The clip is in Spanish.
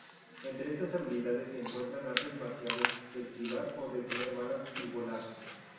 Entre estas habilidades se encuentran artes marciales, esquivar o detener balas, y volar.